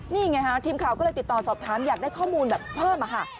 นี่ไงฮะทีมข่าวก็เลยติดต่อสอบถามอยากได้ข้อมูลแบบเพิ่มค่ะ